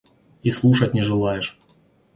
И слушать не желаешь!